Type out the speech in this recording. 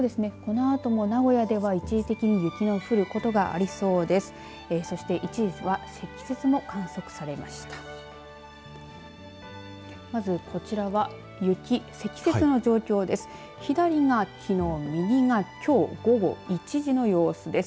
このあとも名古屋では一時的に雪の降ることがありそうです。